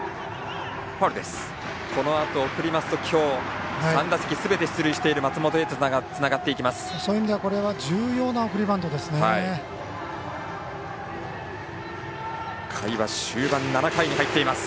このあと送ると今日３打席すべて出塁している松本へとつながっていきます。